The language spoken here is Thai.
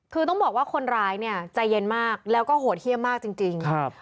คือต้องบอกว่าคนร้ายเนี่ยใจเย็นมากแล้วก็โหดเยี่ยมมากจริงครับ